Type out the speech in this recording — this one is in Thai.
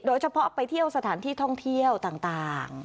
โดยเฉพาะไปเที่ยวสถานที่ท่องเที่ยวต่าง